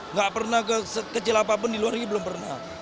nggak pernah sekecil apapun di luar ini belum pernah